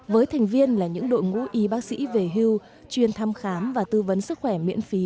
với thành viên là những đội ngũ y bác sĩ về hưu chuyên thăm khám và tư vấn sức khỏe miễn phí